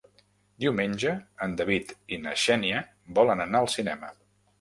Diumenge en David i na Xènia volen anar al cinema.